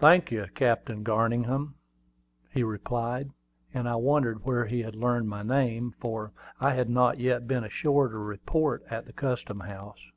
"Thank you, Captain Garningham," he replied: and I wondered where he had learned my name, for I had not yet been ashore to report at the custom house.